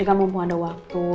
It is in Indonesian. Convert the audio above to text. eh kamu mumpung ada waktu